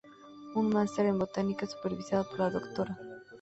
Un máster en botánica supervisada por la Dra.